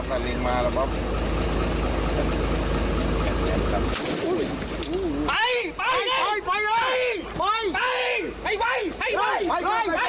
อา้มตำรวจกรรมลบภักดิ์กรับคุมไป